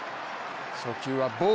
初球はボール。